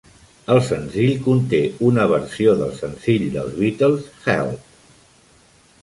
El senzill conté una versió del senzill dels Beatles, "Help!"